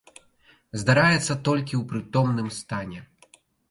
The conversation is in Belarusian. Здараецца толькі ў прытомным стане.